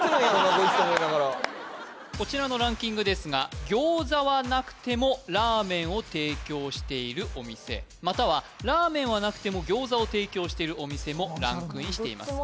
こいつとか思いながらこちらのランキングですが餃子はなくてもラーメンを提供しているお店またはラーメンはなくても餃子を提供しているお店もランクインしています